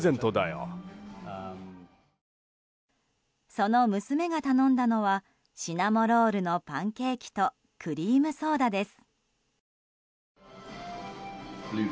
その娘が頼んだのはシナモロールのパンケーキとクリームソーダです。